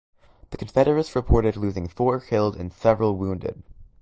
The Confederates reported losing four killed and several wounded.